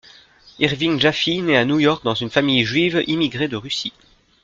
Irving Jaffee naît à New York dans une famille juive immigrée de Russie.